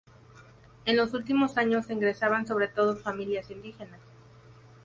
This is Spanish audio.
En los últimos años se ingresaban sobre todo familias indígenas.